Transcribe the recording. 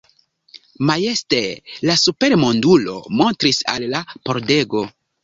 Majeste la supermondulo montris al la pordego.